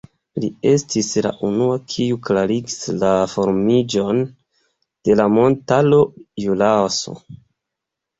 Li estis la unua, kiu klarigis la formiĝon de la montaro Ĵuraso.